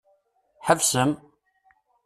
Ḥebsem!